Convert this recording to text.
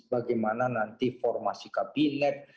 bagaimana nanti formasi kabinet